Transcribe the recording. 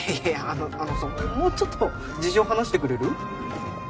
あのあのさもうちょっと事情話してくれる？